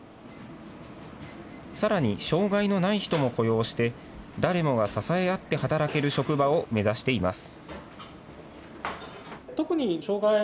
さらに、障害のない人も雇用して、誰もが支え合って働ける職場を目指しています。